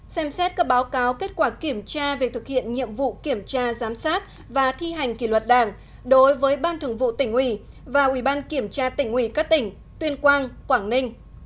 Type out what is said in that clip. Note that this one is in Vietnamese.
xem xét các báo cáo kết quả kiểm tra về thực hiện nhiệm vụ kiểm tra giám sát và thi hành kỷ luật đảng đối với ban thường vụ tỉnh ủy và ủy ban kiểm tra tỉnh ủy các tỉnh tuyên quang quảng ninh